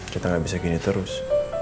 kita nggak bisa gini terus